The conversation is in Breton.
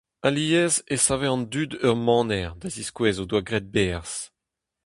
Alies e save an dud ur maner da ziskouez o doa graet berzh.